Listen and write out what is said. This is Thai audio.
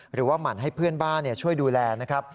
หมั่นให้เพื่อนบ้านช่วยดูแลนะครับ